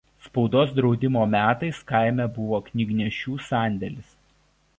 Spaudos draudimo metais kaime buvo knygnešių sandėlis.